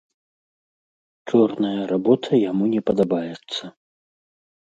Чорная работа яму не падабаецца.